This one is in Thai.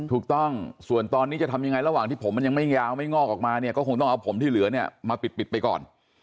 ถูกต้องส่วนตอนนี้จะทำยังไงระหว่างที่ผมมันยังไม่ยาวไม่งอกออกมาเนี่ยก็คงต้องเอาผมที่เหลือเนี่ยมาปิดไปก่อน